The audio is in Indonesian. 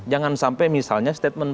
jangan sampai misalnya statement